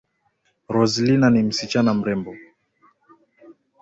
Roselina ni msichana mrembo